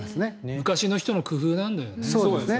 昔の人の工夫なんだよね。